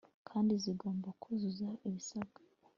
kandi zigomba kuzuza ibisabwa